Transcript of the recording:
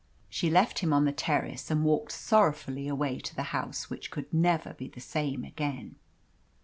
She left him on the terrace, and walked sorrowfully away to the house which could never be the same again.